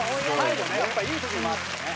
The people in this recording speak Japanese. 最後ねやっぱいい時に回ってきたね。